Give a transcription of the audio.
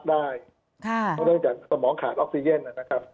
ค่ะไม่ได้อย่างเรื่องลองขาดออกซีเยนนะครับ